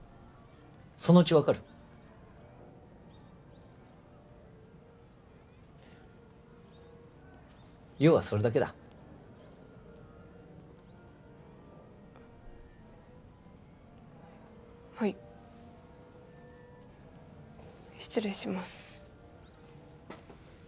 そのうち分かる用はそれだけだはい失礼します